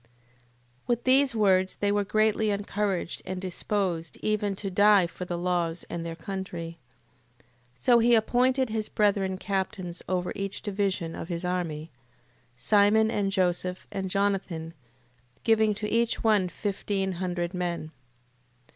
8:21. With these words they were greatly encouraged and disposed even to die for the laws and their country. 8:22. So he appointed his brethren captains over each division of his army; Simon, and Joseph, and Jonathan, giving to each one fifteen hundred men.